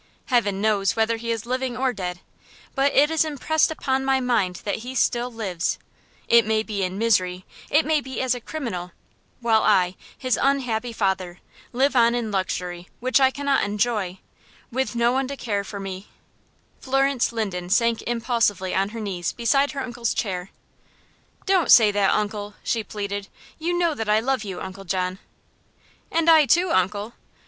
Heaven knows whether he is living or dead, but it is impressed upon my mind that he still lives, it may be in misery, it may be as a criminal, while I, his unhappy father, live on in luxury which I cannot enjoy, with no one to care for me " Florence Linden sank impulsively on her knees beside her uncle's chair. "Don't say that, uncle," she pleaded. "You know that I love you, Uncle John." "And I, too, uncle."